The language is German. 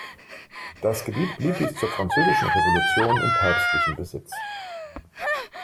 Das Gebiet blieb bis zur Französischen Revolution in päpstlichem Besitz.